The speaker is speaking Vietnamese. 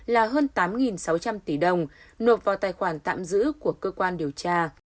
là hơn tám sáu trăm linh tỷ đồng nộp vào tài khoản tạm giữ của cơ quan điều tra